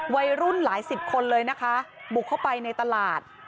วัยรุ่นหลายสิบคนเลยนะคะบุกเข้าไปในตลาด